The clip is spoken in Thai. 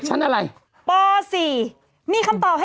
กรมป้องกันแล้วก็บรรเทาสาธารณภัยนะคะ